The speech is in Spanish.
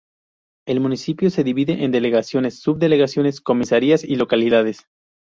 El municipio se divide en delegaciones, subdelegaciones, comisarías y localidades.